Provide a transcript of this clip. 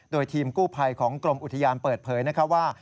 โดยทีมกู้ภัยของกรมอุทยานเปิดเผยว่า